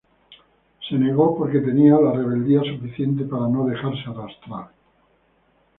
Se negó, porque tenía la rebeldía suficiente para no dejarse arrastrar.